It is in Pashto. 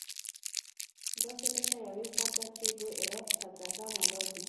داسې لکه يوې خوا ته چې د عراق صدراعظم ولاړ وي.